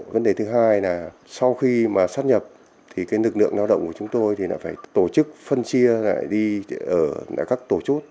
vấn đề thứ hai là sau khi sắp nhập thì nực lượng lao động của chúng tôi phải tổ chức phân chia lại đi ở các tổ chốt